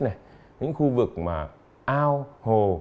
những khu vực mà ao hồ